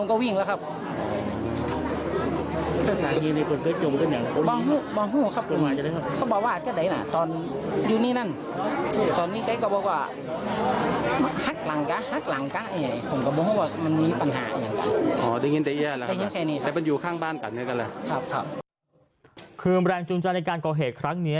ความรันจุดใจในการเกาะเหตุครั้งนี้